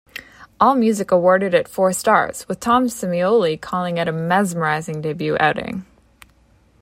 Allmusic awarded it four stars, with Tom Semioli calling it a "mesmerizing debut outing".